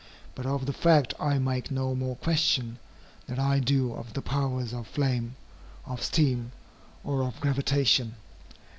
But of the fact I make no more question, than I do of the powers of flame, of steam, or of gravitation.